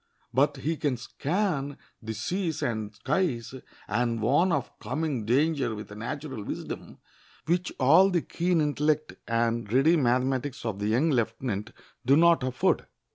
But he can scan the seas and skies and warn of coming danger with a natural wisdom which all the keen intellect and ready mathematics of the young lieutenant do not afford.